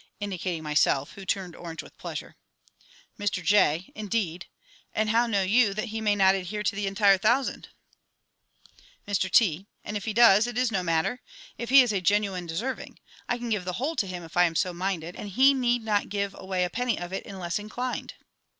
[Indicating myself, who turned orange with pleasure. Mr J. Indeed? And how know you that he may not adhere to the entire thousand? Mr T. And if he does, it is no matter, if he is a genuine deserving. I can give the whole to him if I am so minded, and he need not give away a penny of it unless inclined.